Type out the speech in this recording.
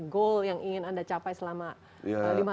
goal yang ingin anda capai selama